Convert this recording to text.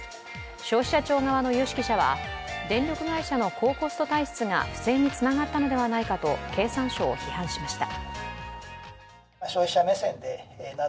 消費者庁側の有識者は電力会社の高コスト体質が不正につながったのではないかと経産省を批判しました。